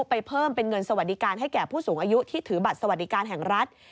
ไปเพิ่มเป็นเงินสวัสดิการให้แก่ผู้สูงอายุที่ถือบัตรสวัสดิการแห่งรัฐ